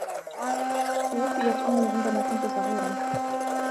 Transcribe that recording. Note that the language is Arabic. توفيت أمي عندما كنت صغيرا.